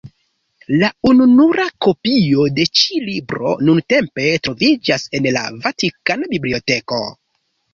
La ununura kopio de ĉi libro nuntempe troviĝas en la Vatikana Biblioteko.